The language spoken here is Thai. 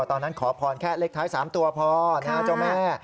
ตอนนั้นขอพรแค่เล็กท้าย๓ตัวพอนะเจ้าแม่